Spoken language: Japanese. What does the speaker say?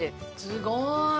すごーい！